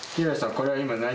これは今。